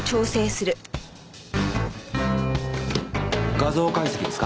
画像解析ですか？